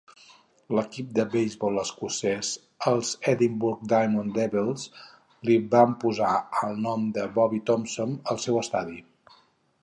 L'equip de beisbol escocès, els Edinburgh Diamond Devils, li van posar el nom de Bobby Thomson al seu estadi.